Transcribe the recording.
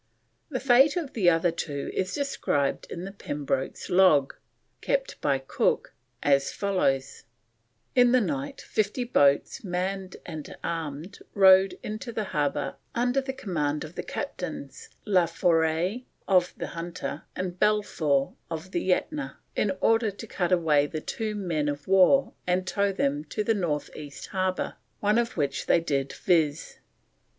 The fate of the other two is described in the Pembroke's log, kept by Cook, as follows: "In the night 50 boats man'd and arm'd row'd into the harbour under the command of the Captains La Foure [Laforey] of the Hunter, and Balfour [of the Etna] in order to cut away the 2 men of warr and tow them into the North East Harbour one of which they did viz.